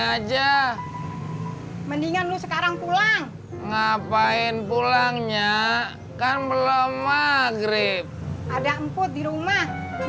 aja mendingan lu sekarang pulang ngapain pulangnya kan belum maghrib ada emput di rumah mungkin lu